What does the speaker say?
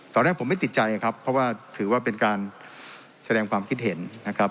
ตอนแรกผมไม่ติดใจครับเพราะว่าถือว่าเป็นการแสดงความคิดเห็นนะครับ